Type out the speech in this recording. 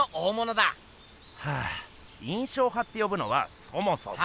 はぁ印象派って呼ぶのはそもそも。